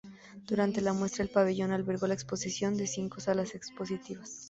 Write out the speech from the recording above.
Durante la muestra el pabellón albergó la exposición cinco salas expositivas.